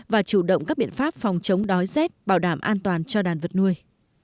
và chủ động các biện pháp phòng chống đói rét bảo đảm an toàn cho đàn vật nuôi